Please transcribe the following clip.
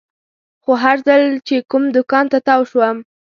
خو هر ځل چې کوم دوکان ته تاو شوم.